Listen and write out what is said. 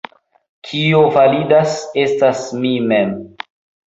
Kio validas, estas mi mem.